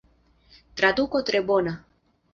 Traduko tre bona.